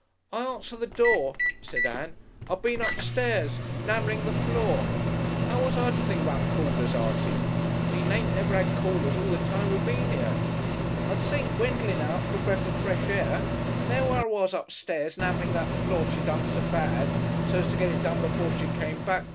"I answered the door," said Ann; "I'd been upstairs 'namelling the floor. 'Ow was I to think about Callers, Artie? We ain't never 'ad Callers all the time we been 'ere. I'd sent Gwendolen out for a bref of fresh air, and there I was upstairs 'namelling that floor she done so bad, so's to get it done before she came back.